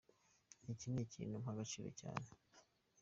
Iki ni ikintu mpa agaciro cyane.